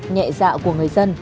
nhẹ dạ của người dân